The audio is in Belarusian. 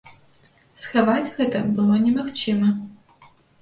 Схаваць гэта было немагчыма.